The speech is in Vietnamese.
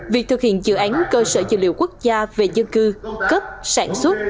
việc thực hiện dự án cơ sở dữ liệu quốc gia về dân cư cấp sản xuất